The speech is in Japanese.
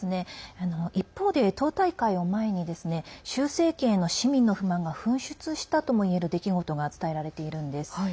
一方で党大会を前に習政権への市民の不満が噴出したともいえる出来事が伝えられているんです。